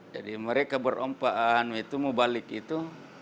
jadi mereka berompaan itu mau balik itu